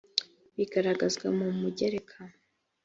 bigaragazwa mu mugereka